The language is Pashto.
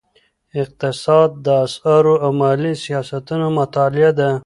اقتصاد د اسعارو او مالي سیاستونو مطالعه ده.